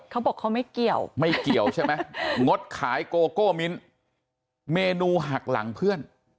เขาบอกเขาไม่เกี่ยวไม่เกี่ยวใช่ไหมงดขายโกโก้มิ้นเมนูหักหลังเพื่อน